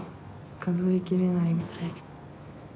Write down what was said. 数えきれないぐらい。